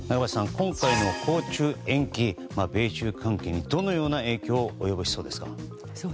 今回の訪中延期米中関係にどのような影響を及ぼしそうですか？